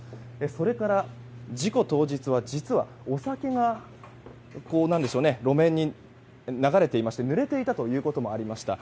それから事故当日はお酒が路面に流れていましてぬれていたということもありました。